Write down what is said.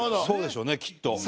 そうでしょうねきっと。